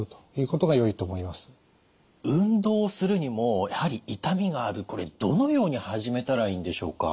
運動するにもやはり痛みがあるこれどのように始めたらいいんでしょうか。